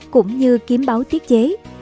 cũng như kiếm báo tiết chế